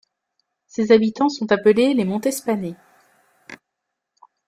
Ses habitants sont appelés les Montespanais.